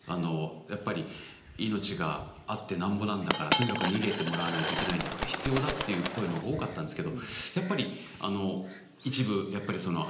やっぱり命があってなんぼなんだからとにかく逃げてもらわないといけないんだから必要だっていう声のほうが多かったんですけどやっぱり一部やっぱりありまして。